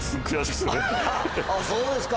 あっそうですか。